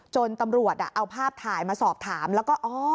ตำรวจเอาภาพถ่ายมาสอบถามแล้วก็